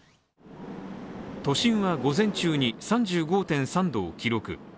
都心は午前中に３５．３度を記録。